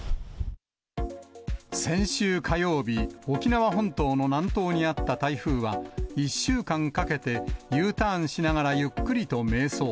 先週火曜日、沖縄本島の南東にあった台風は、１週間かけてＵターンしながらゆっくりと迷走。